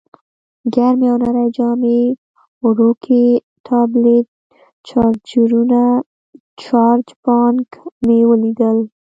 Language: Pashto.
ګرمې او نرۍ جامې، وړوکی ټابلیټ، چارجرونه، چارج بانک مې ولیدل.